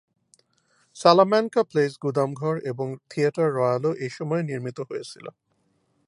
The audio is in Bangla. সালামানকা প্লেস গুদামঘর এবং থিয়েটার রয়্যালও এই সময়ে নির্মিত হয়েছিল।